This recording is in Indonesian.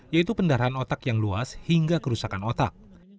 yaitu pendarahan otak yang luas hingga kerusakan otak